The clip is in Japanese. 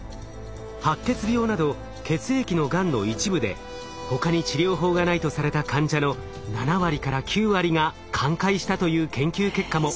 白血病など血液のがんの一部で他に治療法がないとされた患者の７割から９割が寛解したという研究結果も。